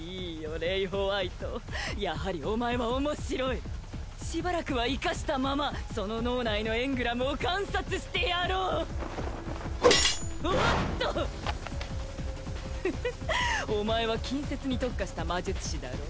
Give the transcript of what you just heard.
レイ＝ホワイトやはりお前は面白いしばらくは生かしたままその脳内のエングラムを観察してやろうおっとフフッお前は近接に特化した魔術師だろう？